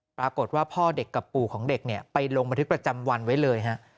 ปรากฏว่าพ่อเด็กกับปู่ของเด็กเนี่ยไปลงบันทึกประจำวันไว้เลยฮะ